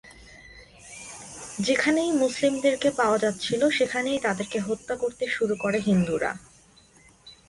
যেখানেই মুসলিমদেরকে পাওয়া যাচ্ছিল সেখানেই তাদেরকে হত্যা করতে শুরু করে হিন্দুরা।